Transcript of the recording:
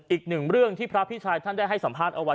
อีกหนึ่งเรื่องที่พระพี่ชายท่านได้ให้สัมภาษณ์เอาไว้